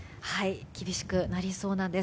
厳しくなりそうなんです。